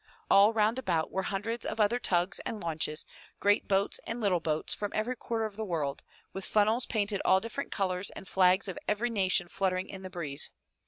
All round about were hundreds of other tugs and launches, great boats and little boats from every quarter of the world, with funnels painted all different colors and flags of every nation fluttering in the breeze.